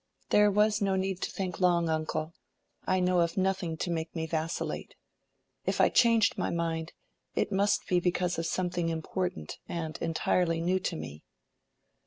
"There was no need to think long, uncle. I know of nothing to make me vacillate. If I changed my mind, it must be because of something important and entirely new to me."